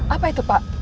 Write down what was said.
apa itu pak